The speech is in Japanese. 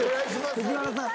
藤原さん